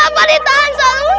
kenapa ditahan selalu